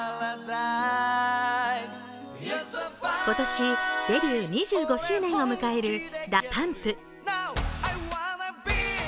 今年、デビュー２５周年を迎えるＤＡＰＵＭＰ。